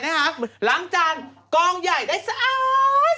ล้างจานกองใหญ่ได้สะอาด